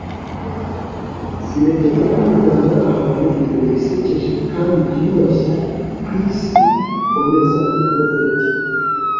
sntekereza ko umuryango ari ahantu ibintu bisekeje kandi byiyubashye ku isi bikomeza. - ugo betti